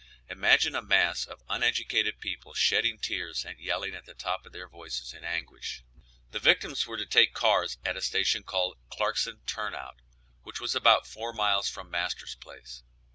Imagine a mass of uneducated people shedding tears and yelling at the top of their voices in anguish. The victims were to take the cars at a station called Clarkson turnout, which was about four miles from master's place.